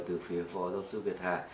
từ phía phó giáo sư việt hà